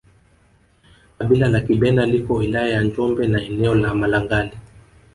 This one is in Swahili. Kabila la Kibena liko wilaya ya Njombe na eneo la Malangali